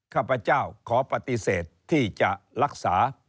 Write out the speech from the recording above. ข้าพเจ้าขอปฏิเสธที่จะรักษา